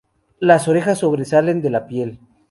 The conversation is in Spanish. Las orejas sobresalen de la piel.